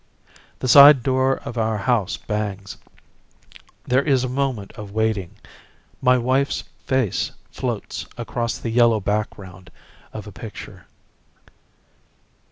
The side door of our house bangs. There is a moment of waiting. My wife's face floats across the yellow background of a picture.